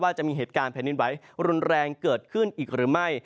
จะมีเหตุการณ์แผ่นดินไหวรุนแรงเกิดขึ้นอีกหรือไม่